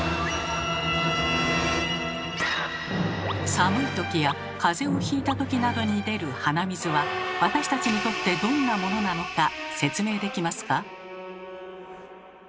寒いときやかぜをひいたときなどに出る鼻水は私たちにとってどんなものなのか説明できますか？